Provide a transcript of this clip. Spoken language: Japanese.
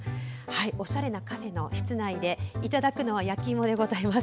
おしゃれなカフェの室内でいただくのは焼きいもでございます。